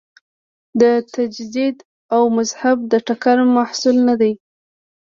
د تجدد او مذهب د ټکر محصول نه دی.